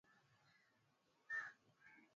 Unga ule ni mzuri kwa ugali.